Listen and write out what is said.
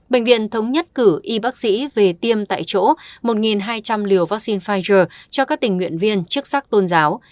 bệnh viện thống nhất cử y bác sĩ về tiêm tại chỗ một hai trăm linh liều vaccine pfizer cho các tình nguyện viên chức sắc tôn giáo